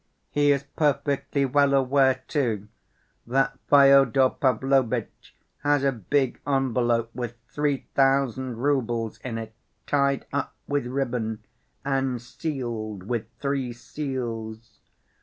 He is perfectly well aware, too, that Fyodor Pavlovitch has a big envelope with three thousand roubles in it, tied up with ribbon and sealed with three seals.